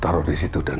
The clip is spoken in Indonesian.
taruh di situ danung